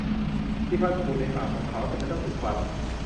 มีฟันผุในปากของเขา จำเป็นต้องอุดฟัน